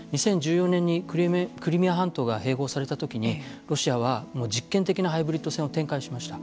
２０１４年にクリミア半島が併合されたときにロシアは実験的なハイブリッド戦を展開しました。